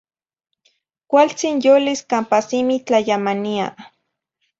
Cualtzin yolis campa simi tlayamania